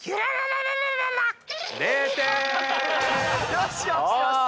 よしよしよしっ！